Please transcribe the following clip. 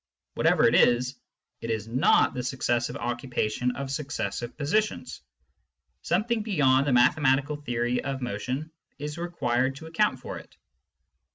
Whatever it is, it is not the successive occupation of successive positions : something beyond the mathe matical theory of motion is required to account for it.